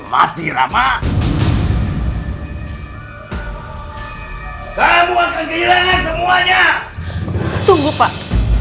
mati rama kamu akan kehilangan semuanya tunggu pak